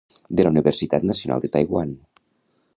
de la Universitat Nacional de Taiwan.